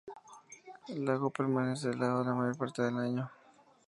El lago permanece helado la mayor parte del año.